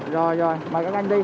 rồi rồi mời các anh đi